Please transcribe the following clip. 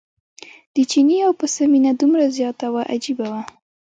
د چیني او پسه مینه دومره زیاته وه عجیبه وه.